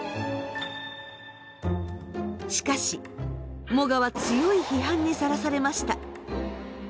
しかしモガは強い批判にさらされました。